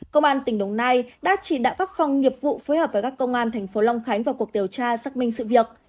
công an tỉnh đồng nai đã chỉ đạo các phòng nghiệp vụ phối hợp với các công an tp hcm vào cuộc điều tra xác minh sự việc